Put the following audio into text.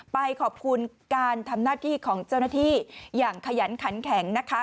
ไปขอบคุณการทำหน้าที่ของเจ้าหน้าที่อย่างขยันขันแข็งนะคะ